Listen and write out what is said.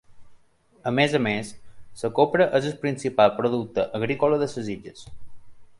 A més a més, la copra és el principal producte agrícola de les illes.